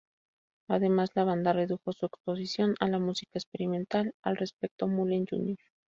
Además, la banda redujo su exposición a la música experimental; al respecto, Mullen Jr.